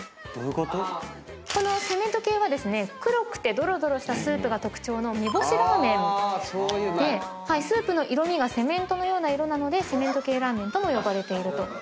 このセメント系はですね黒くてどろどろしたスープが特徴の煮干しラーメンでスープの色味がセメントのような色なのでセメント系ラーメンとも呼ばれていると。